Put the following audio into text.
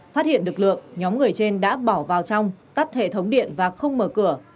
phát hiện lực lượng nhóm người trên đã bỏ vào trong tắt hệ thống điện và không mở cửa